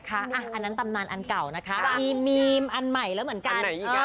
อันนั้นตำนานอันเก่านะคะมีมีมอันใหม่แล้วเหมือนกัน